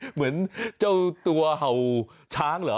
เหมือนเจ้าตัวเห่าช้างเหรอ